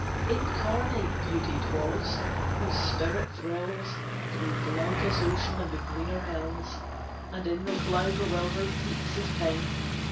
Incarnate Beauty 'twas, whose spirit thrills Through glaucous ocean and the greener hills, And in the cloud bewildered peaks is pent.